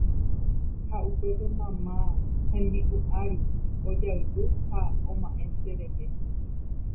Ha upépe mamá hembi'u ári ojayvy ha oma'ẽ cherehe